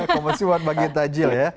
kompetisi buat bagi tajlil ya